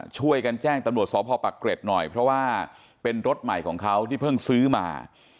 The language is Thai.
ช่วยกันแจ้งตำรวจสพปักเกร็ดหน่อยเพราะว่าเป็นรถใหม่ของเขาที่เพิ่งซื้อมา